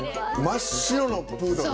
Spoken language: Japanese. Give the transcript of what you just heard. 真っ白のプードル？